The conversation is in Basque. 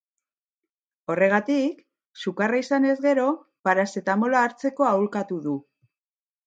Horregatik, sukarra izanez gero parazetamola hartzeko aholkatu du.